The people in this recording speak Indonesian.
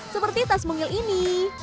seperti tas mungil ini